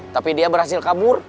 tapi dia berhasil kabur